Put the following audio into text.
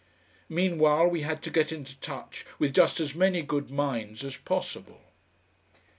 Meanwhile we had to get into touch with just as many good minds as possible.